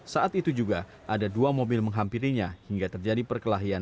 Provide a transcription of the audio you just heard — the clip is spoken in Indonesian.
saat itu juga ada dua mobil menghampirinya hingga terjadi perkelahian